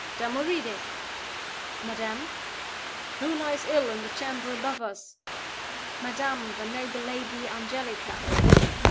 'Damoride!' 'Madam?' 'Who lies ill in the chamber above us?' 'Madam, the noble lady Angelica.